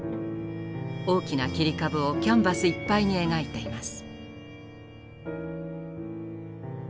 大きな切り株をキャンバスいっぱいに描いています。